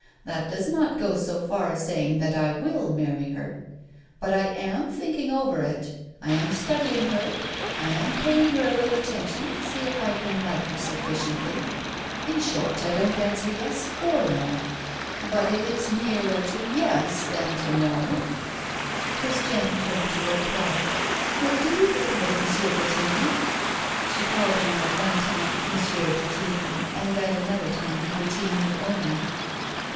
That does not go so far as saying that I will marry her; but I am thinking over it; I am studying her, I am paying her a little attention to see if I can like her sufficiently. In short, I don't answer 'yes' or 'no,' but it is nearer to 'yes' than to 'no.'" Christiane turned toward Paul: "What do you think of it, Monsieur Bretigny?" She called him at one time Monsieur Bretigny, and at another time Bretigny only.